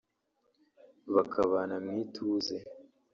bakabana mu ituze